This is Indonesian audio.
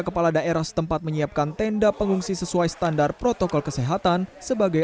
kepala daerah setempat menyiapkan tenda pengungsi sesuai standar protokol kesehatan sebagai